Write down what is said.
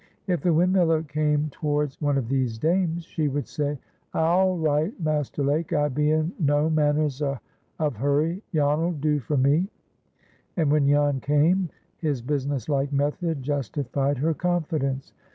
If the windmiller came towards one of these dames, she would say, "Aal right, Master Lake, I be in no manners of hurry, Jan'll do for me." And, when Jan came, his business like method justified her confidence.